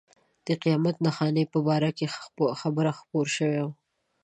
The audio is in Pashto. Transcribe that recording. د قیامت نښانې په باره کې خبر خپور شوی و.